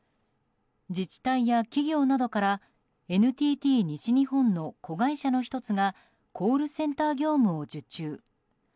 自治体や企業などからＮＴＴ西日本の子会社の１つがコールセンター業務を受注。